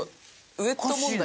ウェット問題